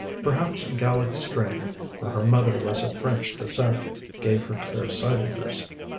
Perhaps a Gallic strain for her mother was of French descent gave her clear sightedness.